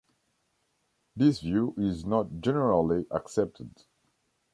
This view is not generally accepted.